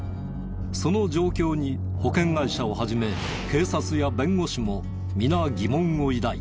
その状況に保険会社を始め警察や弁護士も皆疑問を抱いた。